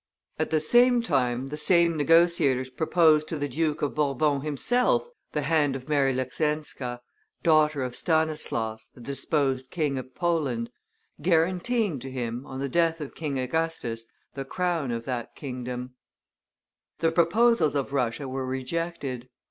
At the same time the same negotiators proposed to the Duke of Bourbon himself the hand of Mary Leckzinska, daughter of Stanislaus, the dispossessed King of Poland, guaranteeing to him, on the death of King Augustus, the crown of that kingdom. [Illustration: Mary Leczinska 121] The proposals of Russia were rejected.